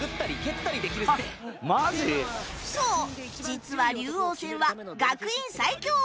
そう実は龍王戦は学院最強を決める